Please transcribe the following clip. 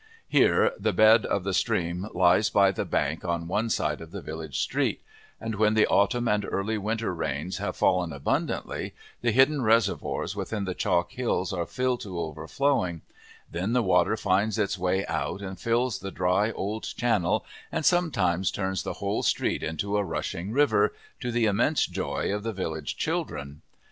Here the bed of the stream lies by the bank on one side of the village street, and when the autumn and early winter rains have fallen abundantly, the hidden reservoirs within the chalk hills are filled to overflowing; then the water finds its way out and fills the dry old channel and sometimes turns the whole street into a rushing river, to the immense joy of the village children.